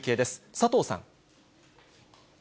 佐藤さん。